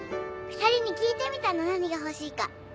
２人に聞いてみたの何が欲しいか。